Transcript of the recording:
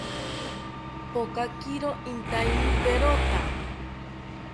Pokakiro intaina perota